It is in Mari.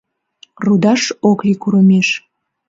Рудаш ок лий курымеш.